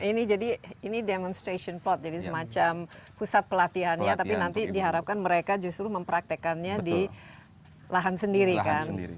ini jadi demonstration plot jadi semacam pusat pelatihan ya tapi nanti diharapkan mereka justru mempraktekannya di lahan sendiri kan